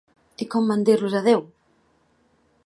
I com van dir-los adeu?